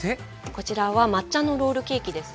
こちらは抹茶のロールケーキですね。